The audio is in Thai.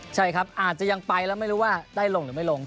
ใช่ครับอาจจะยังไปแล้วไม่รู้ว่าได้ลงหรือไม่ลง